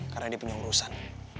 karena dia penyurusan